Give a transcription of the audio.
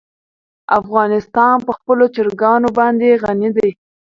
افغانستان په خپلو چرګانو باندې غني دی.